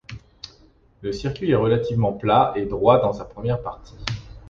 Le circuit est relativement plat et droit dans sa première partie.